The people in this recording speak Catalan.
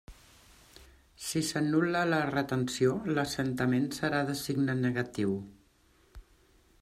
Si s'anul·la la retenció, l'assentament serà de signe negatiu.